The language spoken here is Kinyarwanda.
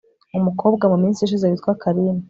umukobwa muminsi ishize witwa karine